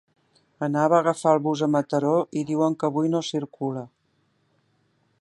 Anava a agafar el bus a Mataró i diuen que avui no circula.